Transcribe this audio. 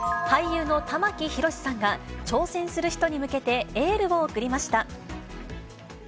俳優の玉木宏さんが、挑戦する人に向けて、エールを送りました。